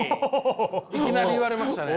いきなり言われましたね。